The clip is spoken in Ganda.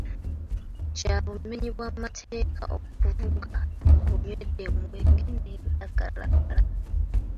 Kya bumenyi bwa mateeka okuvuga ng'onywedde omwenge n'ebagalalagala.